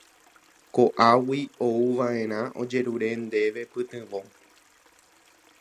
Ko'águi ouva'erã ojerure ndéve pytyvõ.